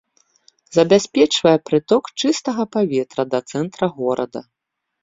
Забяспечвае прыток чыстага паветра да цэнтра горада.